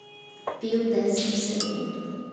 Pio Décimo-Segundo